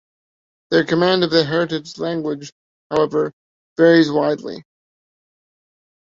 Their command of the heritage language, however, varies widely.